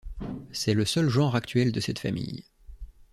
C'est le seul genre actuel de cette famille.